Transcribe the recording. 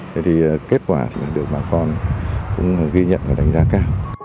thế thì kết quả được bà con cũng ghi nhận và đánh giá